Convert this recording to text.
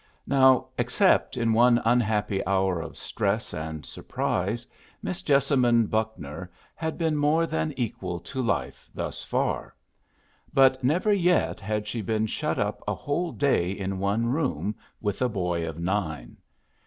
Now except in one unhappy hour of stress and surprise, Miss Jessamine Buckner had been more than equal to life thus far. But never yet had she been shut up a whole day in one room with a boy of nine.